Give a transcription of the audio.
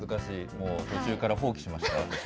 もう途中から放棄しました、私は。